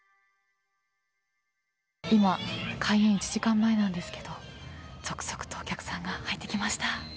開演１時間前なんですけども続々とお客さんが入ってきました。